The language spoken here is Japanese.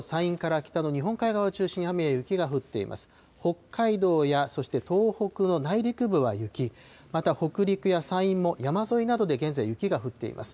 北海道やそして東北の内陸部は雪、また北陸や山陰も山沿いなどで現在、雪が降っています。